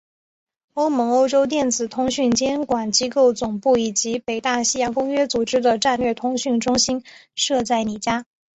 欧盟欧洲电子通讯监管机构总部以及北大西洋公约组织的战略通讯中心设在里加。